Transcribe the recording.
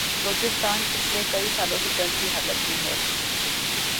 بلوچستان پچھلے کئی سالوں سے جنگ کی حالت میں ہے